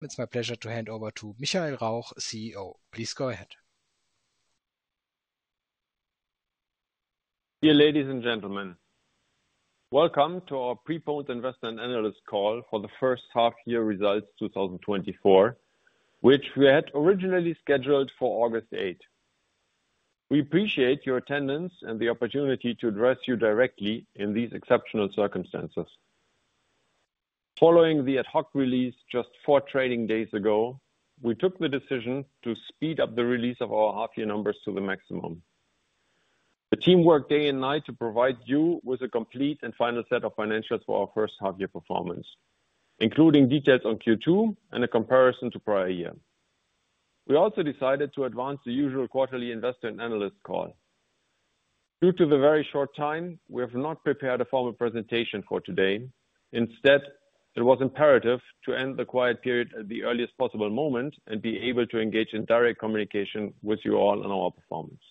It's my pleasure to hand over to Michael Rauch, CEO. Please go ahead. Dear ladies and gentlemen, welcome to our Preliminary Investor and Analyst Call for the First Half Year Results 2024, which we had originally scheduled for August 8. We appreciate your attendance and the opportunity to address you directly in these exceptional circumstances. Following the ad hoc release just 4 trading days ago, we took the decision to speed up the release of our half-year numbers to the maximum. The team worked day and night to provide you with a complete and final set of financials for our first half-year performance, including details on Q2 and a comparison to prior year. We also decided to advance the usual Quarterly Investor and Analyst Call. Due to the very short time, we have not prepared a formal presentation for today. Instead, it was imperative to end the quiet period at the earliest possible moment and be able to engage in direct communication with you all on our performance.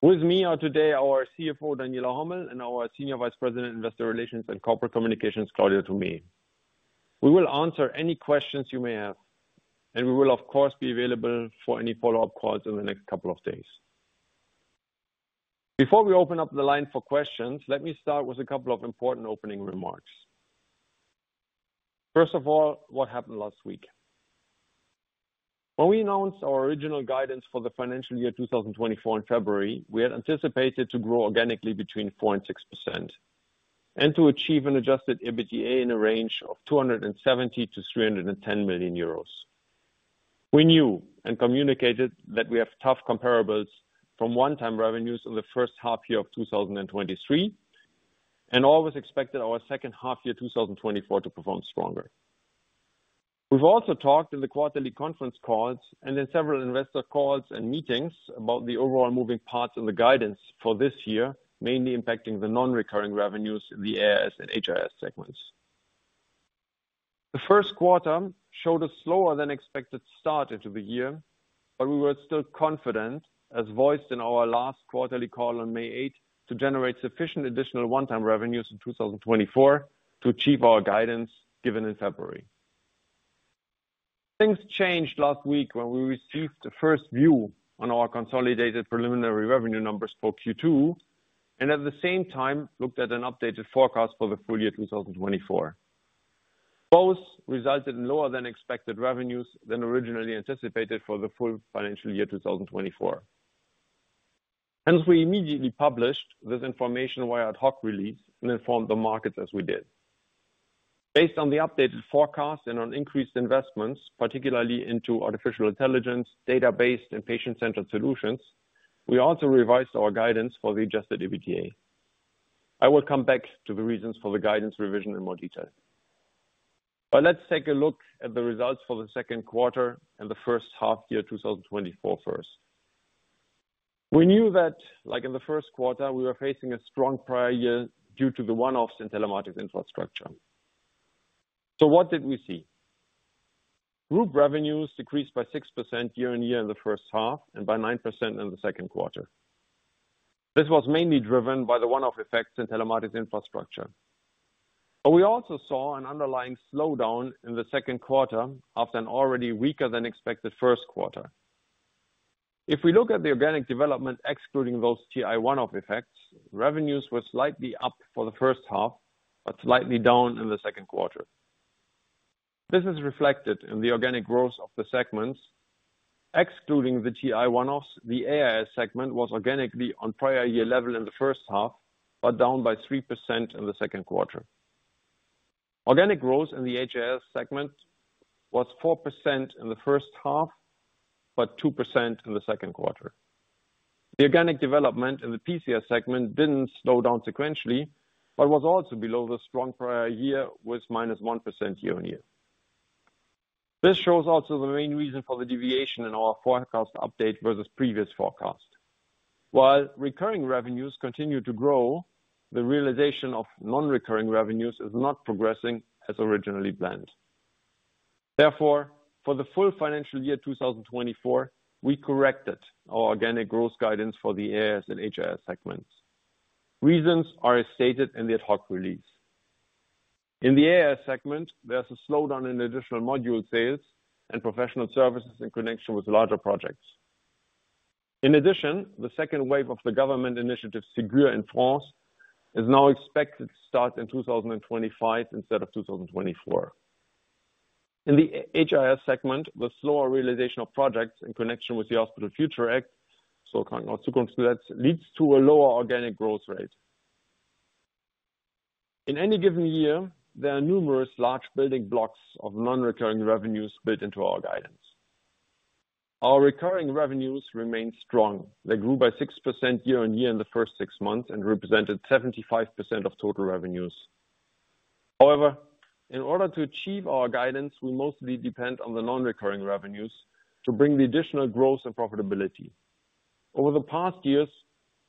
With me are today our CFO, Daniela Hommel, and our Senior Vice President, Investor Relations and Corporate Communications, Claudia Thomé. We will answer any questions you may have, and we will, of course, be available for any follow-up calls in the next couple of days. Before we open up the line for questions, let me start with a couple of important opening remarks. First of all, what happened last week? When we announced our original guidance for the financial year 2024 in February, we had anticipated to grow organically between 4% and 6% and to achieve an adjusted EBITDA in a range of 270 million-310 million euros. We knew and communicated that we have tough comparables from one-time revenues in the first half year of 2023, and always expected our second half year, 2024, to perform stronger. We've also talked in the quarterly conference calls and in several investor calls and meetings about the overall moving parts in the guidance for this year, mainly impacting the non-recurring revenues in the AIS and HIS segments. The first quarter showed a slower than expected start into the year, but we were still confident, as voiced in our last quarterly call on May 8, to generate sufficient additional one-time revenues in 2024 to achieve our guidance given in February. Things changed last week when we received the first view on our consolidated preliminary revenue numbers for Q2, and at the same time looked at an updated forecast for the full year 2024. Both resulted in lower than expected revenues than originally anticipated for the full financial year 2024. Hence, we immediately published this information via ad hoc release and informed the markets as we did. Based on the updated forecast and on increased investments, particularly into artificial intelligence, database and patient-centered solutions, we also revised our guidance for the adjusted EBITDA. I will come back to the reasons for the guidance revision in more detail. Let's take a look at the results for the second quarter and the first half year 2024 first. We knew that, like in the first quarter, we were facing a strong prior year due to the one-offs in Telematics Infrastructure. So what did we see? Group revenues decreased by 6% year-on-year in the first half, and by 9% in the second quarter. This was mainly driven by the one-off effects in Telematics Infrastructure, but we also saw an underlying slowdown in the second quarter after an already weaker than expected first quarter. If we look at the organic development, excluding those TI one-off effects, revenues were slightly up for the first half, but slightly down in the second quarter. This is reflected in the organic growth of the segments. Excluding the TI one-offs, the AIS segment was organically on prior year level in the first half, but down by 3% in the second quarter. Organic growth in the HIS segment was 4% in the first half, but 2% in the second quarter. The organic development in the PCS segment didn't slow down sequentially, but was also below the strong prior year, with -1% year-on-year. This shows also the main reason for the deviation in our forecast update versus previous forecast. While recurring revenues continue to grow, the realization of non-recurring revenues is not progressing as originally planned. Therefore, for the full financial year 2024, we corrected our organic growth guidance for the AIS and HIS segments. Reasons are as stated in the ad hoc release. In the AIS segment, there's a slowdown in additional module sales and professional services in connection with larger projects. In addition, the second wave of the government initiative, Ségur in France, is now expected to start in 2025 instead of 2024. In the HIS segment, the slower realization of projects in connection with the Hospital Future Act. In any given year, there are numerous large building blocks of non-recurring revenues built into our guidance. Our recurring revenues remain strong. They grew by 6% year-on-year in the first six months and represented 75% of total revenues. However, in order to achieve our guidance, we mostly depend on the non-recurring revenues to bring the additional growth and profitability. Over the past years,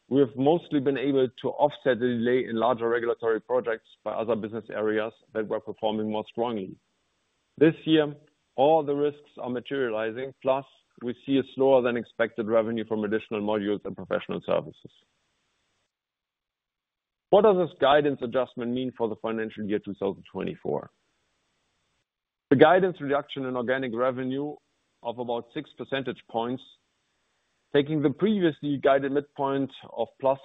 we have mostly been able to offset the delay in larger regulatory projects by other business areas that were performing more strongly. This year, all the risks are materializing, plus we see a slower than expected revenue from additional modules and professional services. What does this guidance adjustment mean for the financial year 2024? The guidance reduction in organic revenue of about 6 percentage points, taking the previously guided midpoint of +5%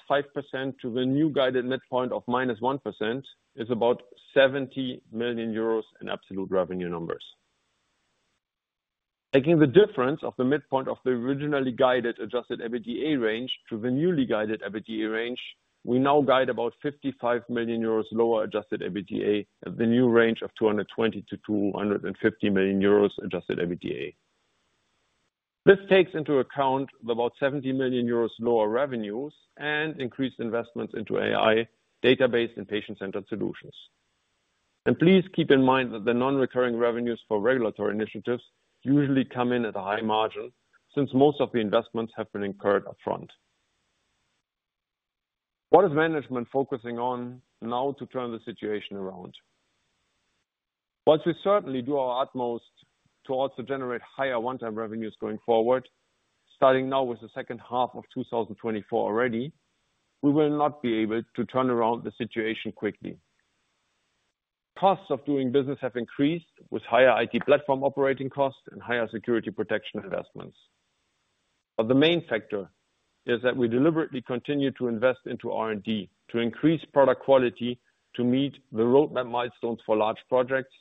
to the new guided midpoint of -1%, is about 70 million euros in absolute revenue numbers. Taking the difference of the midpoint of the originally guided adjusted EBITDA range to the newly guided EBITDA range, we now guide about 55 million euros lower adjusted EBITDA at the new range of 220 million-250 million euros adjusted EBITDA. This takes into account about 70 million euros lower revenues and increased investments into AI, database, and patient-centered solutions. Please keep in mind that the non-recurring revenues for regulatory initiatives usually come in at a high margin, since most of the investments have been incurred upfront. What is management focusing on now to turn the situation around? Once we certainly do our utmost to also generate higher one-time revenues going forward, starting now with the second half of 2024 already, we will not be able to turn around the situation quickly. Costs of doing business have increased, with higher IT platform operating costs and higher security protection investments. But the main factor is that we deliberately continue to invest into R&D to increase product quality, to meet the roadmap milestones for large projects,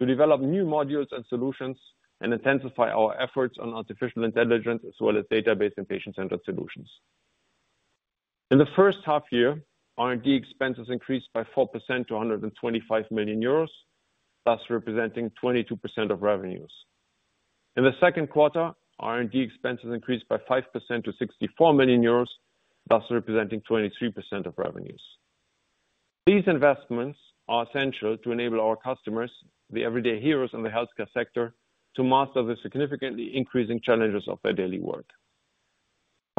to develop new modules and solutions, and intensify our efforts on artificial intelligence as well as database and patient-centered solutions. In the first half year, R&D expenses increased by 4% to 125 million euros, thus representing 22% of revenues. In the second quarter, R&D expenses increased by 5% to 64 million euros, thus representing 23% of revenues. These investments are essential to enable our customers, the everyday heroes in the healthcare sector, to master the significantly increasing challenges of their daily work.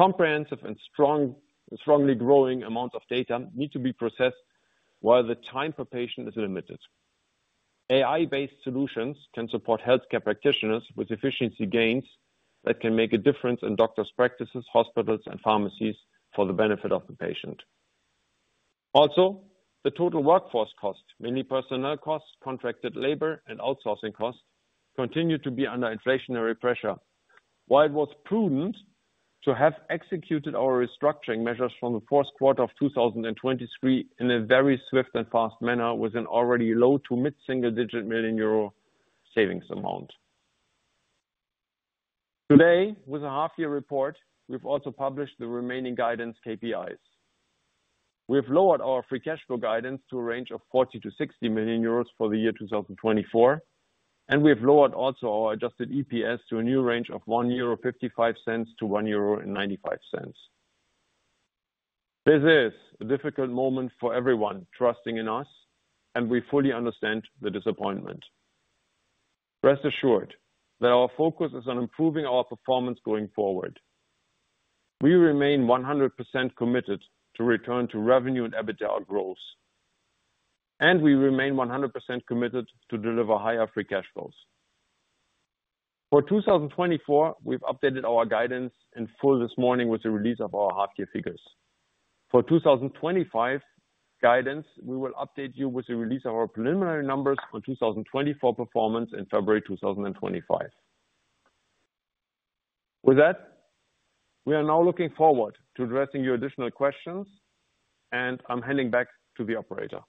Comprehensive and strong strongly growing amounts of data need to be processed, while the time per patient is limited. AI-based solutions can support healthcare practitioners with efficiency gains that can make a difference in doctor's practices, hospitals, and pharmacies for the benefit of the patient. Also, the total workforce costs, mainly personnel costs, contracted labor, and outsourcing costs, continue to be under inflationary pressure. While it was prudent to have executed our restructuring measures from the fourth quarter of 2023 in a very swift and fast manner, with an already low- to mid-single-digit million EUR savings amount. Today, with a half-year report, we've also published the remaining guidance KPIs. We have lowered our free cash flow guidance to a range of 40-60 million euros for the year 2024, and we have lowered also our adjusted EPS to a new range of 1.55-1.95 euro. This is a difficult moment for everyone trusting in us, and we fully understand the disappointment. Rest assured that our focus is on improving our performance going forward. We remain 100% committed to return to revenue and EBITDA growth, and we remain 100% committed to deliver higher free cash flows. For 2024, we've updated our guidance in full this morning with the release of our half year figures. For 2025 guidance, we will update you with the release of our preliminary numbers for 2024 performance in February 2025. With that, we are now looking forward to addressing your additional questions, and I'm handing back to the operator.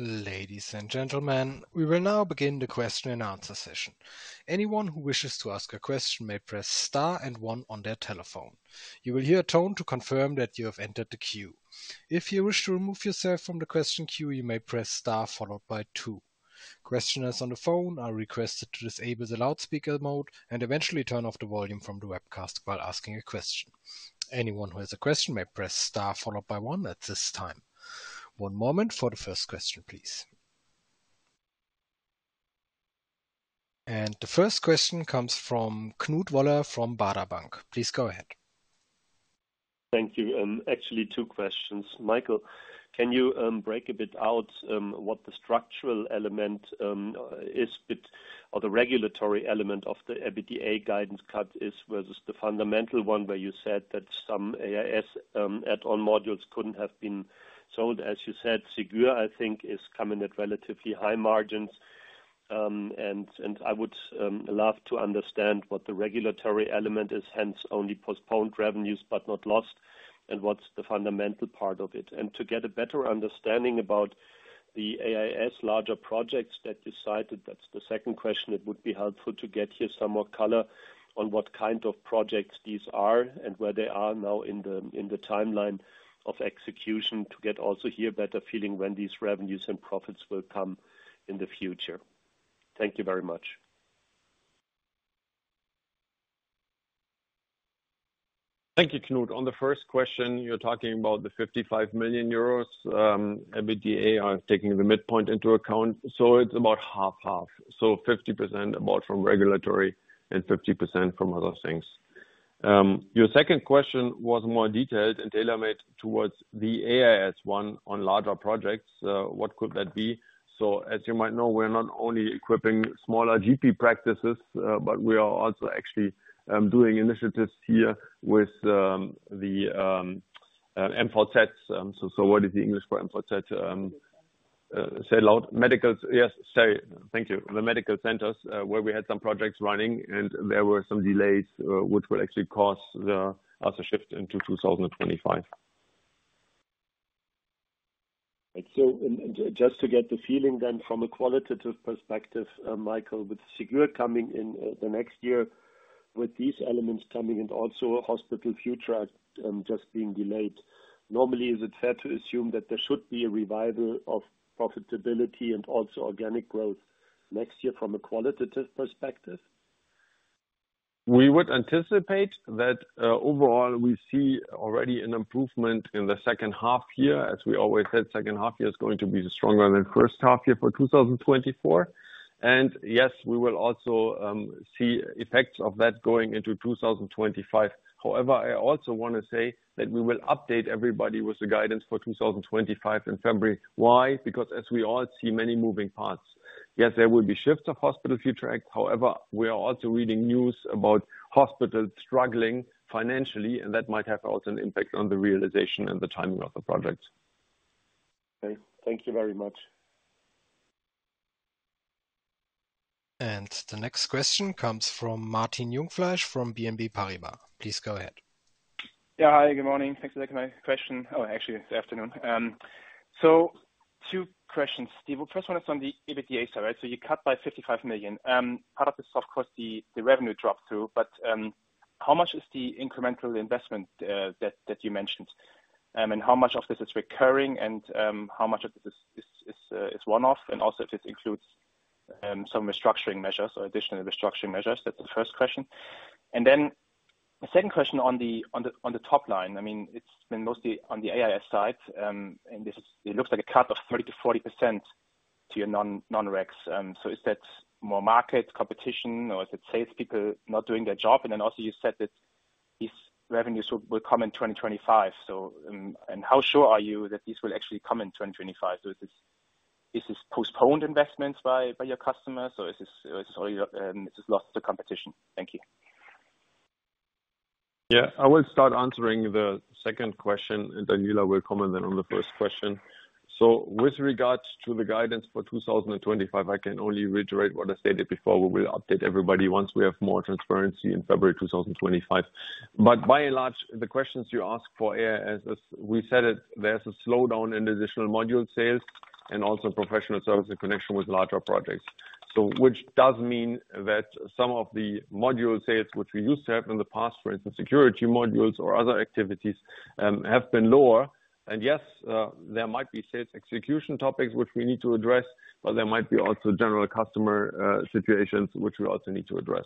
Ladies and gentlemen, we will now begin the Q&A session. Anyone who wishes to ask a question may press star and one on their telephone. You will hear a tone to confirm that you have entered the queue. If you wish to remove yourself from the question queue, you may press star followed by two. Questioners on the phone are requested to disable the loudspeaker mode and eventually turn off the volume from the webcast while asking a question. Anyone who has a question may press star followed by one at this time. One moment for the first question, please. The first question comes from Knut Woller from Baader Bank. Please go ahead. Thank you. Actually, two questions. Michael, can you break a bit out what the structural element is, or the regulatory element of the EBITDA guidance cut is, versus the fundamental one, where you said that some AIS add-on modules couldn't have been sold. As you said, Ségur, I think, is coming at relatively high margins. And, and I would love to understand what the regulatory element is, hence only postponed revenues, but not lost, and what's the fundamental part of it? And to get a better understanding about the AIS larger projects that decided, that's the second question, it would be helpful to get here some more color on what kind of projects these are and where they are now in the timeline of execution, to get also here a better feeling when these revenues and profits will come in the future. Thank you very much. Thank you, Knut. On the first question, you're talking about the 55 million euros EBITDA, taking the midpoint into account. So it's about 50/50, so 50% about from regulatory and 50% from other things. Your second question was more detailed and tailored towards the AIS one on larger projects. What could that be? So as you might know, we're not only equipping smaller GP practices, but we are also actually doing initiatives here with the MVZ. So what is the English for MVZ? Say it loud. Medical, yes, sorry. Thank you. The medical centers, where we had some projects running, and there were some delays, which will actually cause the also shift into 2025. So just to get the feeling then from a qualitative perspective, Michael, with Ségur coming in the next year, with these elements coming and also Hospital Future Act just being delayed, normally, is it fair to assume that there should be a revival of profitability and also organic growth next year from a qualitative perspective? We would anticipate that, overall, we see already an improvement in the second half year. As we always said, second half year is going to be stronger than first half year for 2024. And yes, we will also see effects of that going into 2025. However, I also want to say that we will update everybody with the guidance for 2025 in February. Why? Because as we all see many moving parts. Yes, there will be shifts of Hospital Future Act, however, we are also reading news about hospitals struggling financially, and that might have also an impact on the realization and the timing of the project. Okay. Thank you very much. The next question comes from Martin Jungfleisch from BNP Paribas. Please go ahead. Yeah. Hi, good morning. Thanks for taking my question. Oh, actually, it's afternoon. So two questions. The first one is on the EBITDA side, right? So you cut by 55 million. Part of this, of course, the revenue drop too, but how much is the incremental investment that you mentioned? And how much of this is recurring, and how much of this is one-off, and also if this includes some restructuring measures or additional restructuring measures? That's the first question. And then the second question on the top line, I mean, it's been mostly on the AIS side, and this it looks like a cut of 30%-40% to your non-RECs. So is that more market competition, or is it salespeople not doing their job? And then also you said that these revenues will come in 2025. So, and how sure are you that these will actually come in 2025? So is this postponed investments by your customers, or is this lost to competition? Thank you. Yeah. I will start answering the second question, and then Daniela will comment then on the first question. So with regards to the guidance for 2025, I can only reiterate what I stated before. We will update everybody once we have more transparency in February 2025. But by and large, the questions you ask for AIS, as we said it, there's a slowdown in additional module sales and also professional service in connection with larger projects. So which does mean that some of the module sales, which we used to have in the past, for instance, security modules or other activities, have been lower. And yes, there might be sales execution topics which we need to address, but there might be also general customer situations which we also need to address.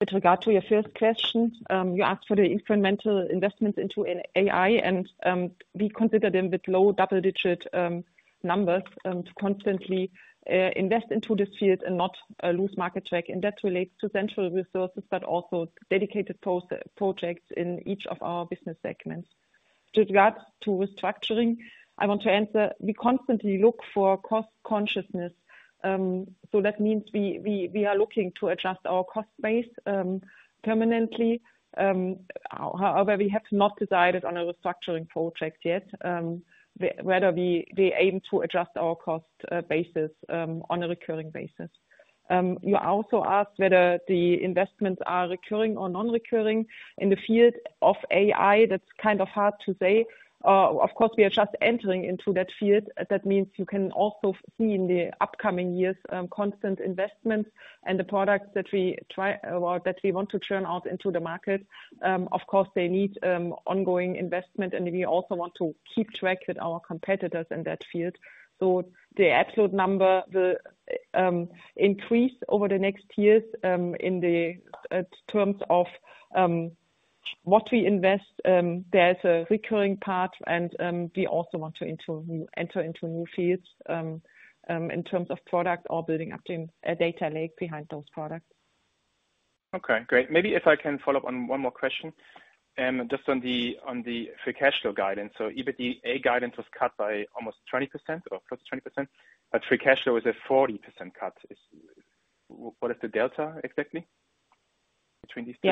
With regard to your first question, you asked for the incremental investment into an AI, and we consider them with low double-digit numbers to constantly invest into this field and not lose market share. That relates to central resources, but also dedicated post- projects in each of our business segments. With regards to restructuring, I want to answer, we constantly look for cost consciousness. So that means we are looking to adjust our cost base permanently. However, we have not decided on a restructuring project yet, whether we aim to adjust our cost basis on a recurring basis. You also asked whether the investments are recurring or non-recurring. In the field of AI, that's kind of hard to say. Of course, we are just entering into that field. And that means you can also see in the upcoming years, constant investments and the products that we try or that we want to churn out into the market. Of course, they need ongoing investment, and we also want to keep track with our competitors in that field. So the absolute number, the increase over the next years, in the terms of what we invest, there's a recurring part, and and we also want to enter new, enter into new fields, in terms of product or building up a data lake behind those products. Okay, great. Maybe if I can follow up on one more question, and just on the, on the free cash flow guidance. So EBITDA guidance was cut by almost 20% or plus 20%, but free cash flow is a 40% cut. What is the delta, exactly, between these two?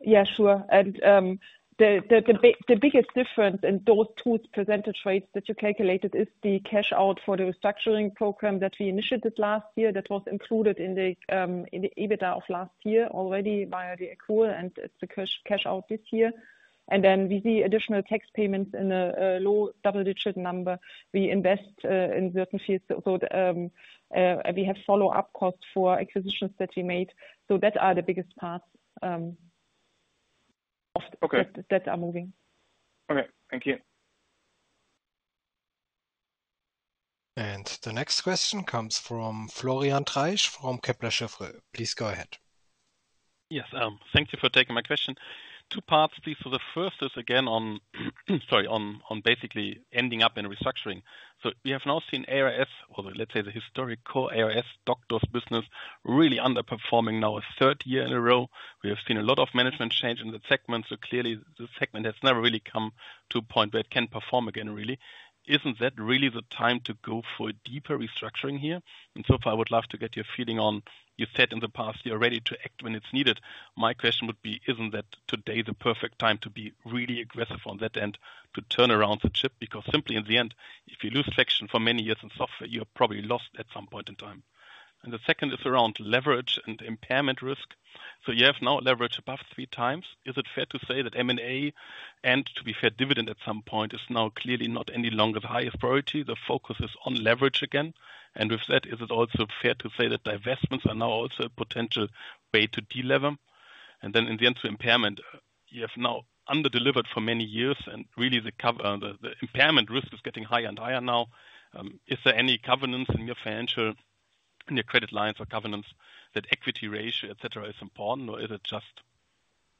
Yeah, sure. And the biggest difference in those two percentage rates that you calculated is the cash out for the restructuring program that we initiated last year. That was included in the EBITDA of last year already via the accrual, and it's the cash out this year. And then we see additional tax payments in a low double-digit number. We invest in certain fields. So we have follow-up costs for acquisitions that we made. So that are the biggest parts of- Okay. That are moving. Okay, thank you. The next question comes from Florian Treisch from Kepler Cheuvreux. Please go ahead. Yes, thank you for taking my question. Two parts, please. So the first is again on on basically ending up in restructuring. So we have now seen AIS, or let's say, the historic core AIS doctors business, really underperforming now a third year in a row. We have seen a lot of management change in that segment, so clearly the segment has never really come to a point where it can perform again, really. Isn't that really the time to go for a deeper restructuring here? And so if I would love to get your feeling on... You said in the past, you're ready to act when it's needed. My question would be, isn't that today the perfect time to be really aggressive on that and to turn around the ship? Because simply in the end, if you lose traction for many years in software, you are probably lost at some point in time. And the second is around leverage and impairment risk. So you have now leverage above 3x. Is it fair to say that M&A, and to be fair, dividend at some point, is now clearly not any longer the highest priority, the focus is on leverage again? And with that, is it also fair to say that divestments are now also a potential way to delever? And then in the end, to impairment, you have now under-delivered for many years, and really the covenant, the impairment risk is getting higher and higher now. Is there any governance in your financial, in your credit lines or governance, that equity ratio, et cetera, is important, or is it just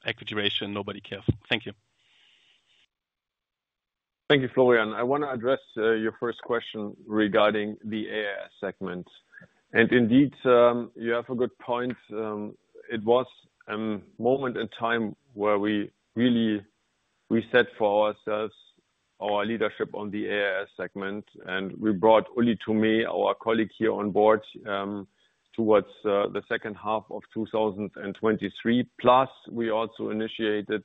equity ratio, and nobody cares? Thank you. Thank you, Florian. I want to address your first question regarding the AIS segment. And indeed, you have a good point. It was moment in time where we really reset for ourselves our leadership on the AIS segment, and we brought Uli Thomé, our colleague here on board, towards the second half of 2023. Plus, we also initiated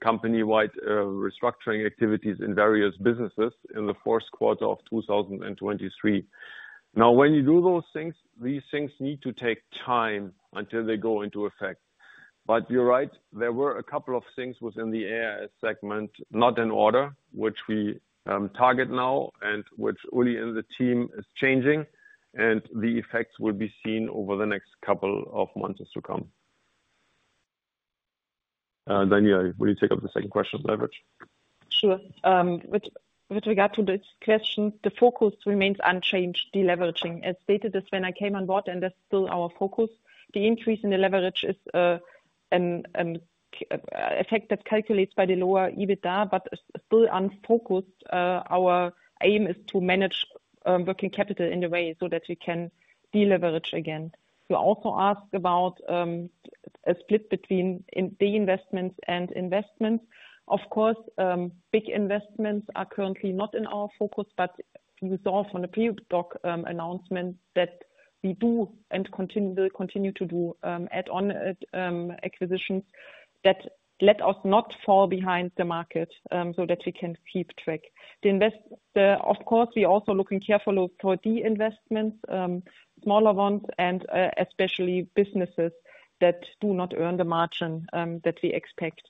company-wide restructuring activities in various businesses in the first quarter of 2023. Now, when you do those things, these things need to take time until they go into effect. But you're right, there were a couple of things within the AIS segment, not in order, which we target now, and which Uli and the team is changing, and the effects will be seen over the next couple of months to come. Daniela, will you take up the second question on leverage? Sure. With regard to this question, the focus remains unchanged, deleveraging. As stated, that's when I came on board, and that's still our focus. The increase in the leverage is effect that calculates by the lower EBITDA, but still unfocused. Our aim is to manage working capital in a way so that we can deleverage again. You also asked about a split between in- the investments and investments. Of course, big investments are currently not in our focus, but you saw from the ad hoc announcement that we do and continue, will continue to do add-on acquisitions, that let us not fall behind the market, so that we can keep track. And of course, we're also looking carefully for deinvestments, smaller ones, and, especially businesses that do not earn the margin, that we expect.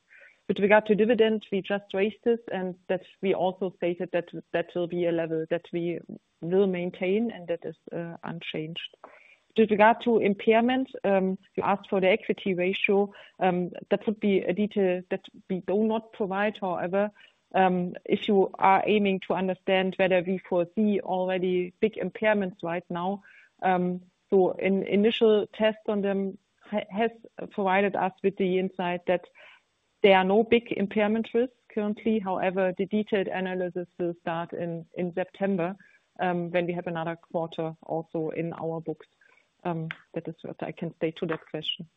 With regard to dividends, we just raised it, and that we also stated that, that will be a level that we will maintain, and that is, unchanged. With regard to impairments, you asked for the equity ratio. That would be a detail that we do not provide. However, if you are aiming to understand whether we foresee already big impairments right now, so an initial test on them has provided us with the insight that there are no big impairment risks currently. However, the detailed analysis will start in in September, when we have another quarter also in our books. That is what I can say to that question.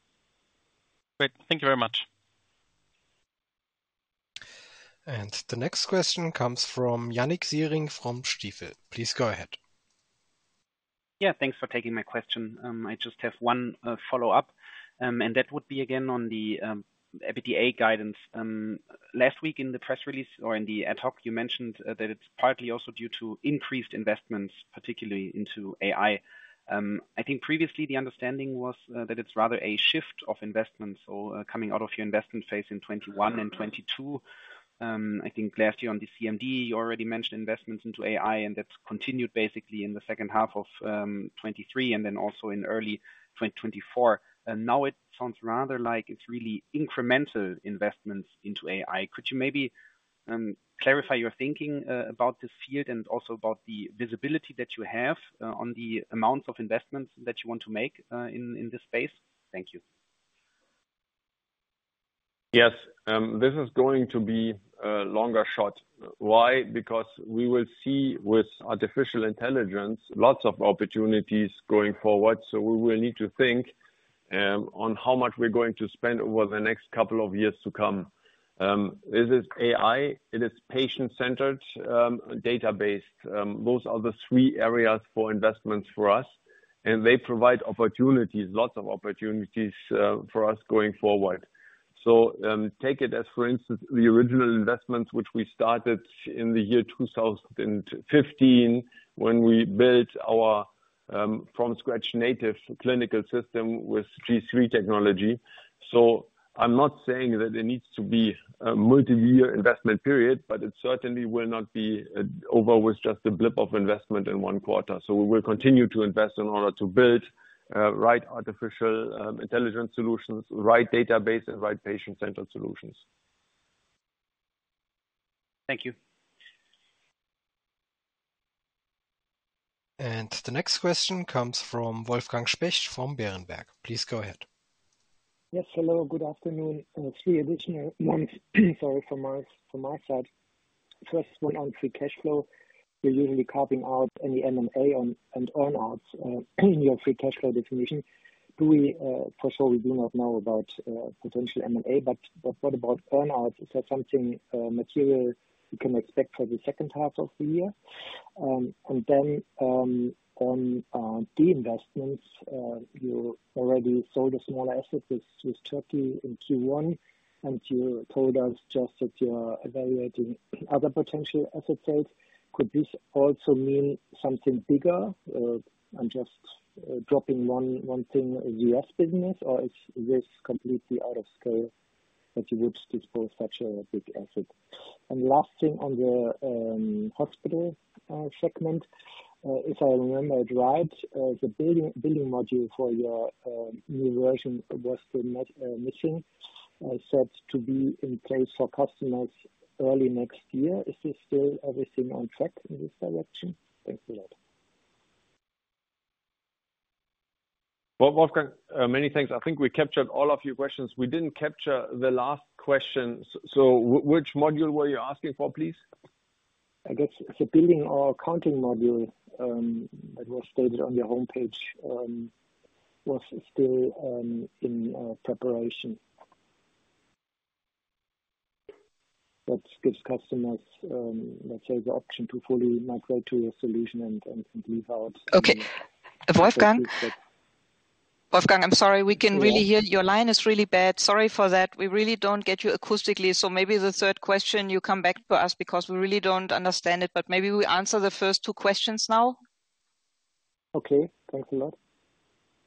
Great. Thank you very much. The next question comes from Yannik Siering from Stifel. Please go ahead. Yeah, thanks for taking my question. I just have one follow-up. And that would be again on the EBITDA guidance. Last week in the press release or in the ad hoc, you mentioned that it's partly also due to increased investments, particularly into AI. I think previously the understanding was that it's rather a shift of investments or coming out of your investment phase in 2021 and 2022. I think last year on the CMD, you already mentioned investments into AI, and that's continued basically in the second half of 2023, and then also in early 2024. And now it sounds rather like it's really incremental investments into AI. Could you maybe clarify your thinking about this field and also about the visibility that you have on the amounts of investments that you want to make in this space? Thank you. Yes, this is going to be a longer shot. Why? Because we will see with artificial intelligence, lots of opportunities going forward. So we will need to think, on how much we're going to spend over the next couple of years to come. This is AI, it is patient-centered, data-based. Those are the three areas for investments for us, and they provide opportunities, lots of opportunities, for us going forward. So, take it as, for instance, the original investment, which we started in the year 2015, when we built our, from scratch, native clinical system with G3 technology. So I'm not saying that there needs to be a multi-year investment period, but it certainly will not be over with just a blip of investment in one quarter. So we will continue to invest in order to build right artificial intelligence solutions, right database, and right patient-centered solutions. Thank you. The next question comes from Wolfgang Specht, from Berenberg. Please go ahead. Yes, hello, good afternoon. Three additional ones, sorry, from my, from my side. First one, on free cash flow. You're usually carving out any M&A and earn-outs in your free cash flow definition. Do we for sure not know about potential M&A, but what about earn-outs? Is that something material we can expect for the second half of the year? And then, on divestments, you already sold a small asset with Turkey in Q1, and you told us just that you are evaluating other potential asset sales. Could this also mean something bigger, and just dropping one one thing, U.S. business, or is this completely out of scale, that you would dispose such a big asset? And last thing on the hospital segment, if I remember it right, the billing module for your new version was still missing, set to be in place for customers early next year. Is this still everything on track in this direction? Thanks a lot. Well, Wolfgang, many thanks. I think we captured all of your questions. We didn't capture the last question, so which module were you asking for, please? I guess the billing or accounting module, that was stated on your homepage, was still in preparation. That gives customers, let's say, the option to fully migrate to a solution and leave out- Okay, Wolfgang. Wolfgang, I'm sorry, we can't really hear you. Your line is really bad. Sorry for that. We really don't get you acoustically, so maybe the third question, you come back to us, because we really don't understand it, but maybe we answer the first two questions now. Okay. Thanks a lot.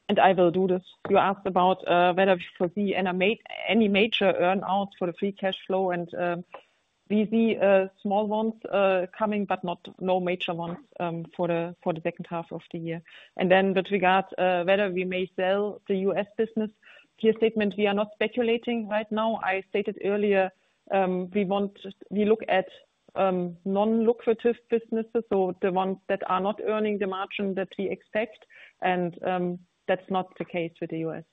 And I will do this. You asked about whether we foresee any major earn out for the free cash flow, and we see small ones coming, but no major ones for the, for the second half of the year. And then with regards whether we may sell the U.S. business, clear statement, we are not speculating right now. I stated earlier, we just look at non-lucrative businesses or the ones that are not earning the margin that we expect, and that's not the case with the U.S.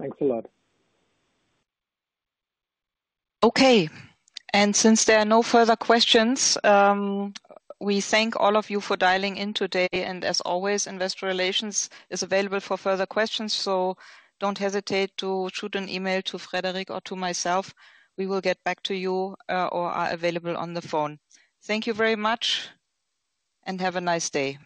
Thanks a lot. Okay, and since there are no further questions, we thank all of you for dialing in today, and as always, Investor Relations is available for further questions, so don't hesitate to shoot an email to Frederic or to myself. We will get back to you, or are available on the phone. Thank you very much, and have a nice day.